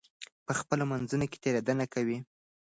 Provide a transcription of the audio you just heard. په خپلو منځونو کې تېرېدنه کوئ.